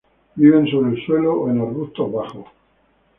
Viven sobre el suelo o en arbustos bajos.